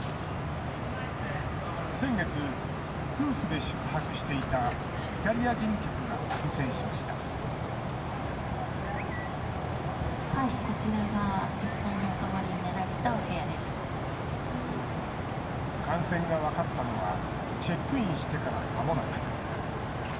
先月、夫婦で宿泊していたイタリア人客が感染しました感染が分かったのはチェックインしてからまもなく。